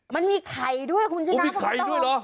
มันมีไข่ด้วยคุณชนะมันมีไข่ด้วยเหรอ